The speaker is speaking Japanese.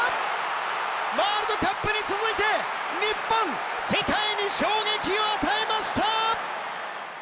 ワールドカップに続いて日本、世界に衝撃を与えました。